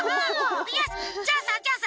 イエス！じゃあさじゃあさ